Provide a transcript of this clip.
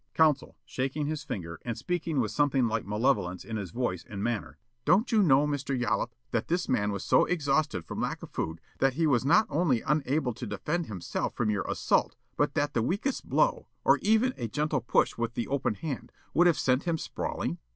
Counsel, shaking his finger and speaking with something like malevolence in his voice and manner: "Don't you know, Mr. Yollop, that this man was so exhausted from lack of food that he was not only unable to defend himself from your assault but that the weakest blow or even a gentle push with the open hand, would have sent him sprawling?"